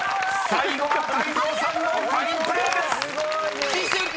［最後は泰造さんのファインプレーです！］